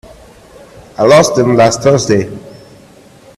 I lost them last Thursday.